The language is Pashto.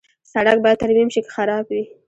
سړک باید ترمیم شي که خراب وي.